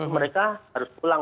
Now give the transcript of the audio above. mereka harus pulang